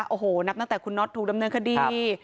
โอ้โหนับตั้งแต่คุณน็อตถูกดำเนินคดี